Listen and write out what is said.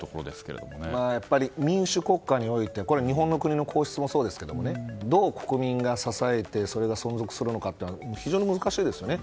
やっぱり、民主国家においてこれは日本の皇室もそうですけどどう国民が支えて存続するのかというのは非常に難しいですよね。